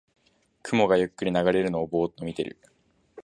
雲がゆっくり流れるのをぼーっと見てる